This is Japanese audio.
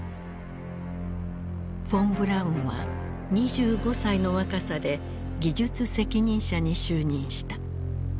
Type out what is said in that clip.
フォン・ブラウンは２５歳の若さで技術責任者に就任した。